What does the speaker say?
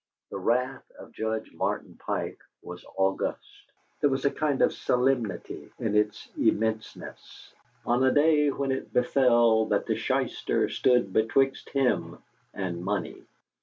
The wrath of Judge Martin Pike was august there was a kind of sublimity in its immenseness on a day when it befell that the shyster stood betwixt him and money.